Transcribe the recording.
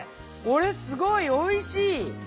これすごいおいしい！